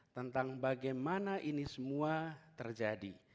tentang bagaimana ini semua terjadi